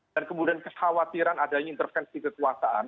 dan kemudian khawatiran adanya intervensi kekuasaan